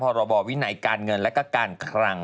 พรบวินัยการเงินและก็การคลัง